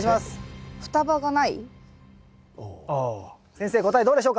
先生答えどうでしょうか？